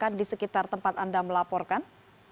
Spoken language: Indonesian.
ada di sekitar tempat anda melaporkan